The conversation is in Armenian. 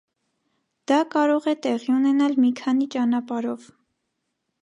Դա կարող է տեղի ունենալ մի քանի ճանապարհով։